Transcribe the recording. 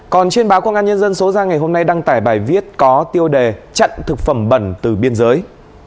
còn trên báo công an nhân dân số ra ngày hôm nay đăng tải bài viết có tiêu đề chặn thực phẩm bẩn từ biên giới